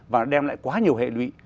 và nó đem lại quá nhiều hệ lụy